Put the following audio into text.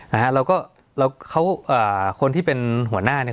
นะฮะแล้วก็เราเขาอ่าคนที่เป็นหัวหน้าเนี่ย